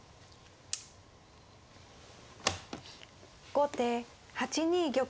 後手８二玉。